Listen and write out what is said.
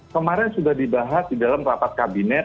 kemarin sudah dibahas di dalam rapat kabinet